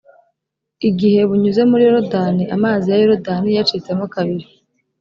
igihe bunyuze muri yorudani! amazi ya yorudani yacitsemo kabiri.